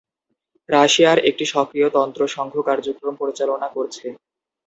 রাশিয়ায় একটি সক্রিয় তন্ত্র সংঘ কার্যক্রম পরিচালনা করছে।